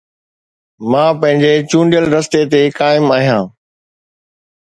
مان پنهنجي چونڊيل رستي تي قائم آهيان